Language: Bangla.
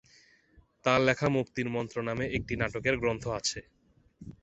তার লেখা "মুক্তির মন্ত্র" নামে একটি নাটকের গ্রন্থ আছে।